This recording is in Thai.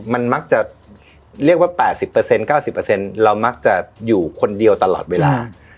มันมักจะเรียกว่า๘๐๙๐เรามักจะอยู่คนเดียวตลอดเวลา